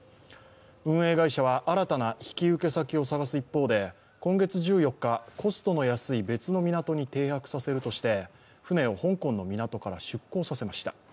運営会社は、新たな引受先を探す一方で今月１４日、コストの安い別の港に停泊させるということで船を香港の港から出航させました。